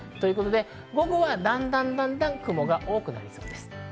午後はだんだん雲が多くなりそうです。